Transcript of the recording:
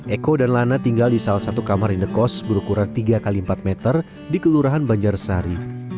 eko dan lana tinggal di salah satu kamar indekos berukuran tiga x empat meter di kelurahan banjarsari